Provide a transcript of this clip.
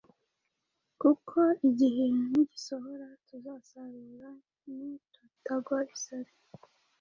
kuko igihe nigisohora tuzasarura ni tutagwa isari.